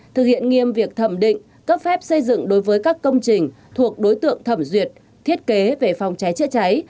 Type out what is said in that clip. thực hiện nghiêm việc thẩm định cấp phép xây dựng đối với các công trình thuộc đối tượng thẩm duyệt thiết kế về phòng cháy chữa cháy